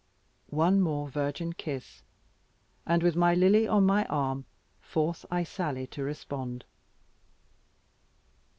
One more virgin kiss, and with Lily on my arm, forth I sally to respond.